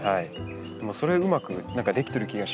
それうまくできてる気がします。